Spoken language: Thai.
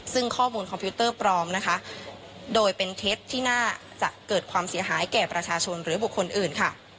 ซึ่งข้อมูลคอมพิวเตอร์ปลอมนะคะโดยเป็นเท็จที่น่าจะเกิดความเสียหายแก่ประชาชนหรือบุคคลอื่นค่ะ